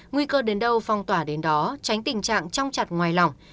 nguy cơ đến đâu phong tỏa đến đó tránh tình trạng trong chặt ngoài lòng